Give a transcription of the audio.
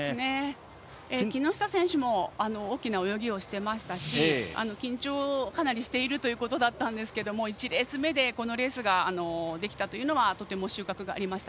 木下選手も大きな泳ぎをしていましたし緊張をかなりしているということでしたが１レース目でこのレースができたというのはとても収穫がありました。